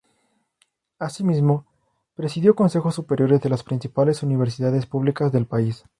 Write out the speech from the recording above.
Así mismo, presidió consejos superiores de las principales universidades públicas del país.